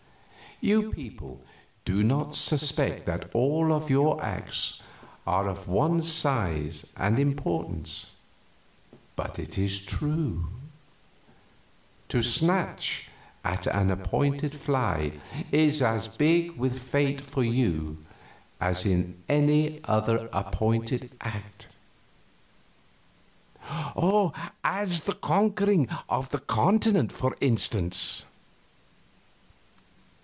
You people do not suspect that all of your acts are of one size and importance, but it is true; to snatch at an appointed fly is as big with fate for you as in any other appointed act " "As the conquering of a continent, for instance?"